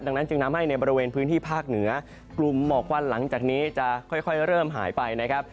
ดังนั้นจึงทำให้ในบริเวณพื้นที่ภาคเหนือกลุ่มหมอกควันหลังจากนี้จะค่อยเริ่มหายไปนะครับ